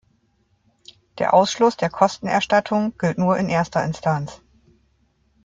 Der Ausschluss der Kostenerstattung gilt nur in erster Instanz.